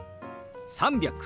「３００」。